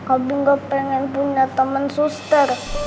abi gak pengen punya temen suster